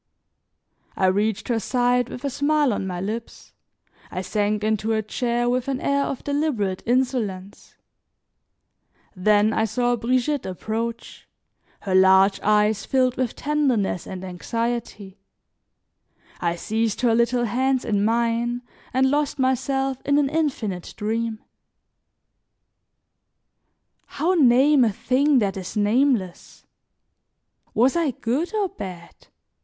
I reached her side with a smile on my lips, I sank into a chair with an air of deliberate insolence; then I saw Brigitte approach, her large eyes filled with tenderness and anxiety; I seized her little hands in mine and lost myself in an infinite dream. How name a thing that is nameless? Was I good or bad?